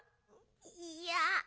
いや。